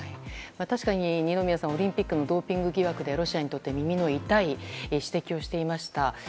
確かに二宮さんはオリンピックのドーピング疑惑でロシアにとって耳の痛い指摘をしていました。